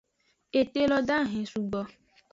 Ete lo dahen sugbo.